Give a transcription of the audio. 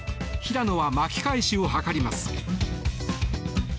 平野は巻き返しを図ります。